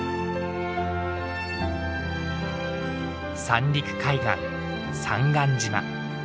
三陸海岸三貫島。